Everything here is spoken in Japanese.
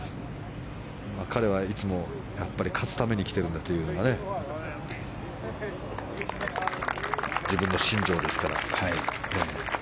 彼はいつも、やっぱり勝つために来てるんだというのが自分の信条ですから。